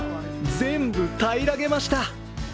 全部たいらげました。